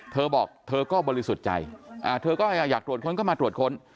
เธอบอกเธอก็บริสุทธิ์ใจเธอก็อยากตรวจค้นก็มาตรวจค้น